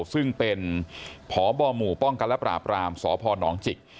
ซึ่งเป็นพบหมู่ป้องกันและปราบรามสพนจิก